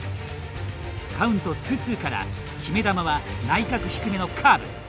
カウントツーツーから決め球は内角低めのカーブ。